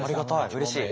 うれしい。